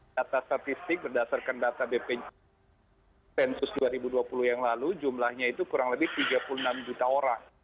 data statistik berdasarkan data bpnsus dua ribu dua puluh yang lalu jumlahnya itu kurang lebih tiga puluh enam juta orang